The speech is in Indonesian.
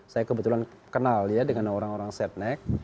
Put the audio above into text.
saya kebetulan kenal ya dengan orang orang setnek